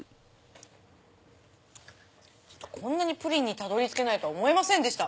ちょっとこんなにプリンにたどり着けないとは思いませんでした。